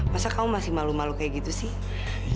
masa kamu masih malu malu kayak gitu sih